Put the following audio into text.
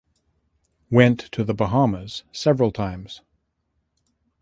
Went to the Bahamas several times.